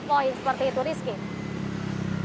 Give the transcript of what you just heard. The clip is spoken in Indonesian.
seperti itu rizky